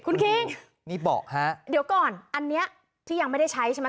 คุณคิงนี่เบาะฮะเดี๋ยวก่อนอันนี้ที่ยังไม่ได้ใช้ใช่ไหม